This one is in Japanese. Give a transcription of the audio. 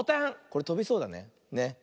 これとびそうだね。